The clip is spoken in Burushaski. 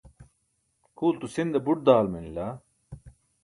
Khuulto sinda buț daal manila.